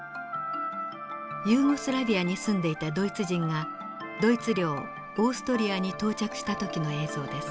ユーゴスラビアに住んでいたドイツ人がドイツ領オーストリアに到着した時の映像です。